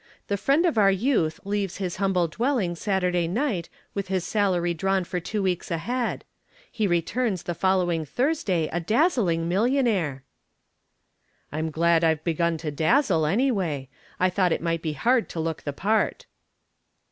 The friend of our youth leaves his humble dwelling Saturday night with his salary drawn for two weeks ahead. He returns the following Thursday a dazzling millionaire." "I'm glad I've begun to dazzle, anyway. I thought it might be hard to look the part."